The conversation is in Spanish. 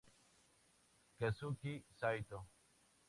Kazuki Saito